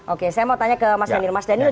oke saya mau tanya ke mas daniel